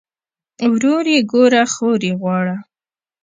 ورور ئې ګوره خور ئې غواړه